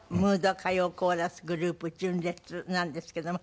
歌謡コーラスグループ純烈なんですけども。